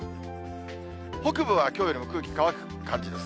北部はきょうよりも空気乾く感じです。